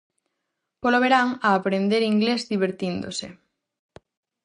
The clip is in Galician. Polo verán, a aprender inglés divertíndose.